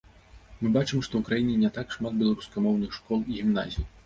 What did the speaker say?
Мы бачым, што ў краіне не так шмат беларускамоўных школ і гімназій.